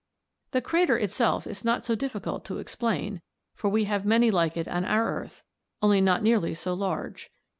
The crater itself is not so difficult to explain, for we have many like it on our earth, only not nearly so large.